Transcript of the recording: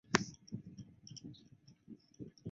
殿试登进士第三甲第一百六十名。